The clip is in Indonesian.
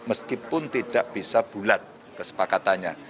meskipun tidak bisa bulat kesepakatannya